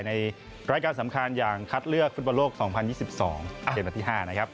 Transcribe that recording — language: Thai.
ในรายการสำคัญอย่างคัดเลือกฟุตบอลโลก๒๐๒๒เกมนัดที่๕นะครับ